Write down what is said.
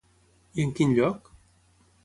I en quin lloc?